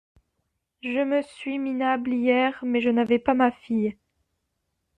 Je me suis minable hier mais je n'avais pas ma fille.